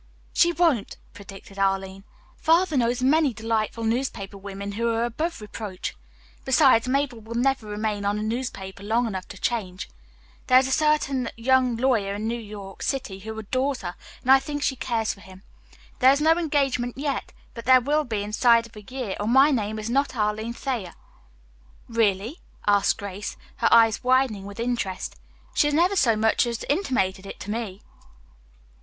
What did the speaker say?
"She won't," predicted Arline. "Father knows many delightful newspaper women who are above reproach. Besides, Mabel will never remain on a newspaper long enough to change. There is a certain young lawyer in New York City who adores her, and I think she cares for him. There is no engagement yet, but there will be inside of a year or my name is not Arline Thayer." "Really?" asked Grace, her eyes widening with interest. "She has never so much as intimated it to me."